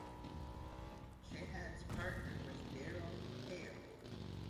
Sheahan's partner was Darrell Hair.